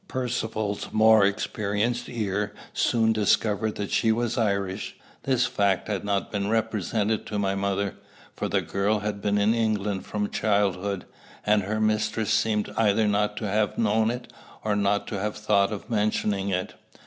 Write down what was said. Percivale's more experienced ear soon discovered that she was Irish. This fact had not been represented to my mother; for the girl had been in England from childhood, and her mistress seemed either not to have known it, or not to have thought of mentioning it.